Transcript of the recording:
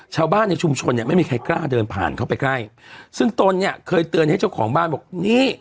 ชาวบ้านในชุมชนเนี่ยไม่มีใครกล้าเดินผ่านเข้าไปใกล้ซึ่งตนเนี่ยเคยเตือนให้เจ้าของบ้านบอกนี่